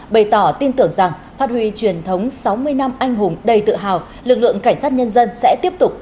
bày tỏ tin tưởng rằng phát huy truyền thống sáu mươi năm anh hùng đầy tự hào lực lượng cảnh sát nhân dân sẽ tiếp tục